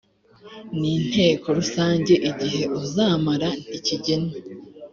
n inteko rusange igihe uzamara ntikigenwe